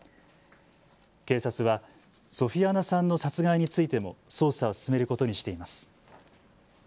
警察はソフィアナさんの殺害についても捜査を進めることにしています。